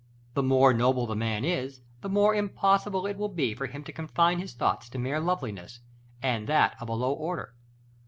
The more noble the man is, the more impossible it will be for him to confine his thoughts to mere loveliness, and that of a low order.